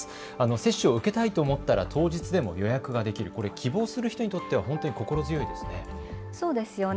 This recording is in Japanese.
接種を受けたいと思ったら当日でも予約ができる、これ希望する人にとっては心強いですね。